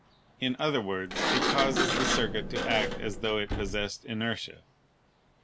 In other words, it causes the circuit to act as tho it possessed in ertia.